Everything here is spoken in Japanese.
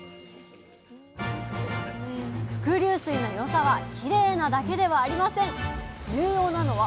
伏流水の良さはきれいなだけではありません！